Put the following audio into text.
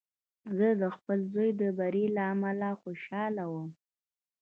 زه د خپل زوی د بري له امله خوشحاله وم.